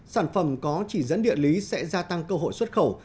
sản phẩm có chỉ dẫn địa lý sẽ gia tăng cơ hội xuất khẩu